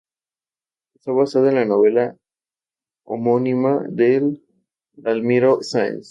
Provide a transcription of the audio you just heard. Está basada en la novela homónima de Dalmiro Sáenz.